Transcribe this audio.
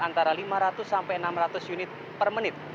antara lima ratus sampai enam ratus unit per menit